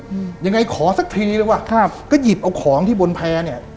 อืมยังไงขอสักทีเลยว่ะครับก็หยิบเอาของที่บนแพร่เนี้ย